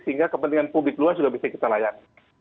sehingga kepentingan publik luas juga bisa kita layani